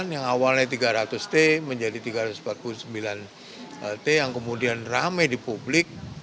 tiga ratus empat puluh sembilan yang awalnya tiga ratus t menjadi tiga ratus empat puluh sembilan t yang kemudian rame di publik